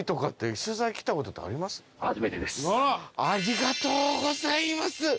ありがとうございます。